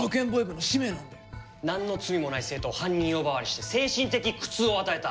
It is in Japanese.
なんの罪もない生徒を犯人呼ばわりして精神的苦痛を与えた！